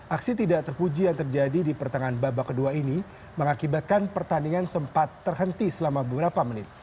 aksi tidak terpuji yang terjadi di pertengahan babak kedua ini mengakibatkan pertandingan sempat terhenti selama beberapa menit